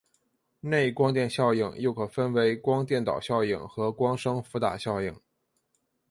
内光电效应又可分为光电导效应和光生伏打效应。